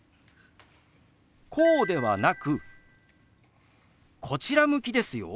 こうではなくこちら向きですよ。